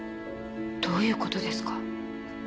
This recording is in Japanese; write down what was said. どういうことですか？